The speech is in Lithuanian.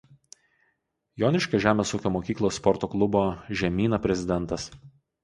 Joniškio Žemės ūkio mokyklos sporto klubo „Žemyna“ prezidentas.